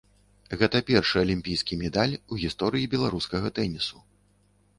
Гэта першы алімпійскі медаль у гісторыі беларускага тэнісу.